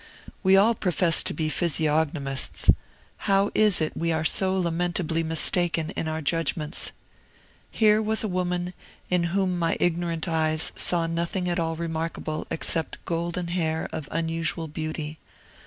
We all profess to be physiognomists; how is it we are so lamentably mistaken in our judgments? Here was a woman in whom my ignorant eyes saw nothing at all remarkable except golden hair of unusual beauty.